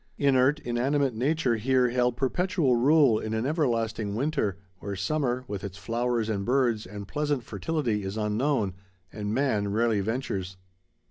Inert, inanimate nature here held perpetual rule in an everlasting winter, where summer, with its flowers and birds and pleasant fertility, is unknown, and man rarely ventures.